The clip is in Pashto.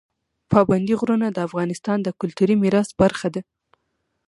پابندی غرونه د افغانستان د کلتوري میراث برخه ده.